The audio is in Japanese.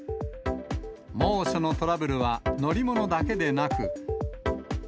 猛暑のトラブルは乗り物だけでなく。